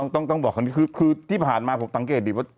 ต้องบอกคราวนี้คือที่ผ่านมาผมสังเกตดีว่า